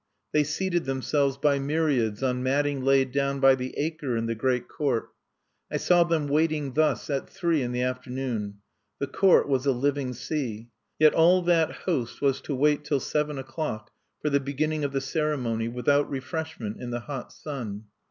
They seated themselves by myriads on matting laid down by the acre in the great court. I saw them waiting thus at three in the afternoon. The court was a living sea. Yet all that host was to wait till seven o'clock for the beginning of the ceremony, without refreshment, in the hot sun.